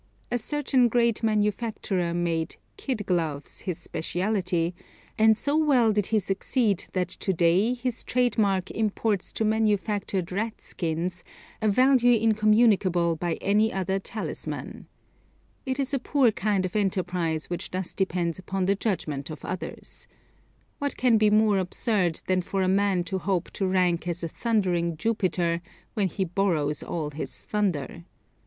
A certain great manufacturer made "kid" gloves his specialty, and so well did he succeed that to day his trade mark imports to manufactured ratskins a value incommunicable by any other talisman. It is a poor kind of enterprise which thus depends upon the judgment of others. What can be more absurd than for a man to hope to rank as a thundering Jupiter when he borrows all his thunder.